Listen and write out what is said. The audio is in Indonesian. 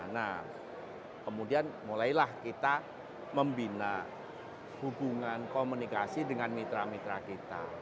nah kemudian mulailah kita membina hubungan komunikasi dengan mitra mitra kita